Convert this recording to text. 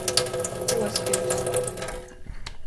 Kuostivs.